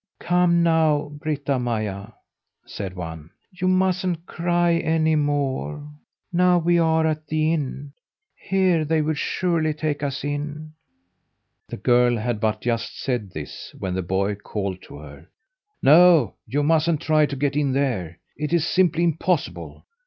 "Come now, Britta Maja!" said one, "you mustn't cry any more. Now we are at the inn. Here they will surely take us in." The girl had but just said this when the boy called to her: "No, you mustn't try to get in there. It is simply impossible.